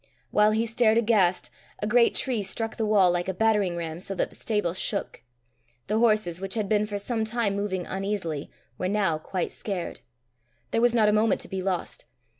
While he stared aghast, a great tree struck the wall like a battering ram, so that the stable shook. The horses, which had been for some time moving uneasily, were now quite scared. There was not a moment to be lost.